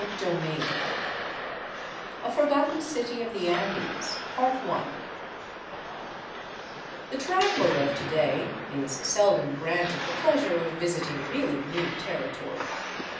453 CHAPTER XVII A FORGOTTEN CITY OF THE ANDES THE traveler of to day is seldom granted the pleasure of visit ing really new territory.